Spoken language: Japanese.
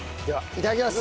いただきます。